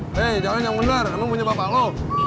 hey jangan nyangger enggak mau nyoba rival lo